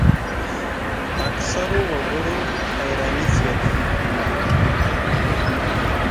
اکثرو وګړو حیراني زیاتېږي.